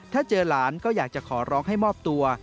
ถ้าเจอหลานก็อยากจะขอร้องให้มอบตัว